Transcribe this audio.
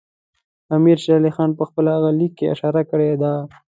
امیر شېر علي خان په خپل هغه لیک کې اشاره کړې ده.